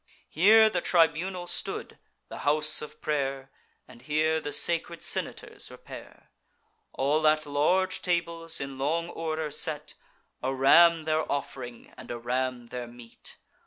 Here the tribunal stood, the house of pray'r, And here the sacred senators repair; All at large tables, in long order set, A ram their off'ring, and a ram their meat.